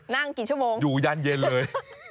นั่งกี่ชั่วโมงอยู่ยานเย็นเลย